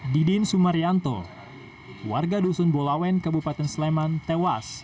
didin sumaryanto warga dusun bolawen kabupaten sleman tewas